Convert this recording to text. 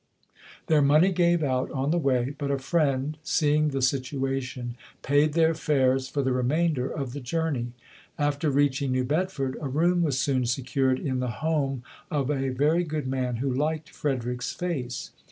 Their money gave out on the way but a "Friend", seeing the situation, paid their fares for the remainder of the journey. After reaching New Bedford, a room was soon secured in the home of a very good man who liked Frederick's face.